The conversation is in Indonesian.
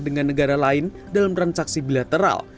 dengan negara lain dalam transaksi bilateral